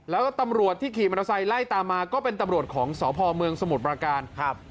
แล้วตำรวจที่ขี่มอเตอร์ไซค์ไล่ตามมาก็เป็นตำรวจของสพเมืองสมุทรปราการครับ